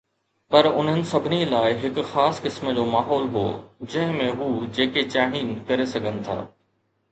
پر انهن سڀني لاءِ هڪ خاص قسم جو ماحول هو جنهن ۾ هو جيڪي چاهين ڪري سگهن ٿا.